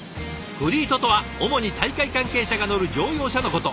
フリートとは主に大会関係者が乗る乗用車のこと。